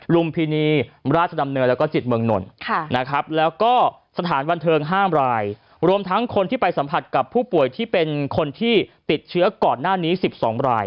รุมพินีราชดำเนินและก็จิตเมืองนนน